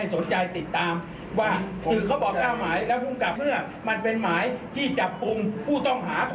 สิบหมายไหมรู้เรื่องไหม